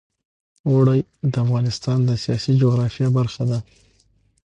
اوړي د افغانستان د سیاسي جغرافیه برخه ده.